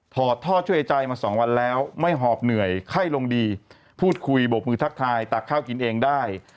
อดท่อช่วยหายใจมาสองวันแล้วไม่หอบเหนื่อยไข้ลงดีพูดคุยบกมือทักทายตักข้าวกินเองได้